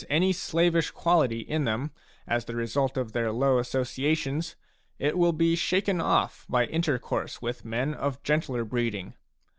any slavish quality in them as the result of their low associations, it will be shaken off by intercourse with men of gentler breeding.